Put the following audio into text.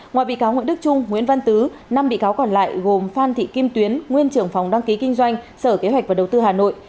ngoài bị cáo nguyễn đức trung nguyễn văn tứ năm bị cáo còn lại gồm phan thị kim tuyến nguyên trưởng phòng đăng ký kinh doanh sở kế hoạch và đầu tư hà nội